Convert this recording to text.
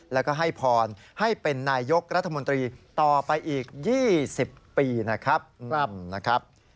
แล้วก็ให้พรให้เป็นนายยกรัฐมนตรีต่อไปอีก๒๐ปีนะครับ